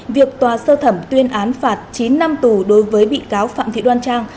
việc tòa sơ thẩm tuyên án phạt chín năm tù đối với bị cáo phạm thị đoan trang